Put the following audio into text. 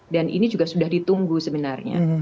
dan ini juga sudah ditunggu sebenarnya